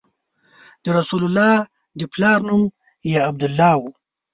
د رسول الله د پلار نوم یې عبدالله و.